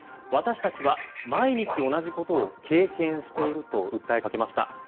私たちは毎日同じことを経験していると訴えかけました。